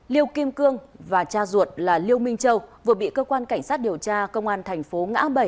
liêu kim cương và cha ruột là liêu minh châu vừa bị cơ quan cảnh sát điều tra công an thành phố ngã bảy